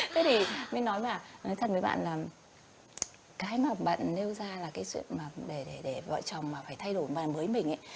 thế thì mình nói mà nói thật với bạn là cái mà bạn nêu ra là cái chuyện mà để vợ chồng mà phải thay đổi mới mình ấy